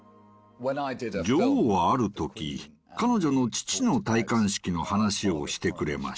女王はある時彼女の父の戴冠式の話をしてくれました。